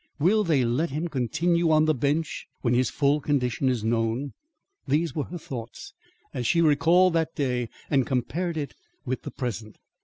Will they let him continue on the bench when his full condition is known?" These were her thoughts, as she recalled that day and compared it with the present.